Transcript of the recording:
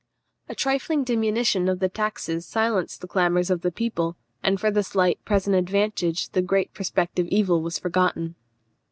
A trifling diminution of the taxes silenced the clamours of the people, and for the slight present advantage the great prospective evil was forgotten.